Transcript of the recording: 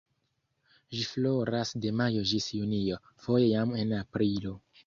Ĝi floras de majo ĝis junio, foje jam en aprilo.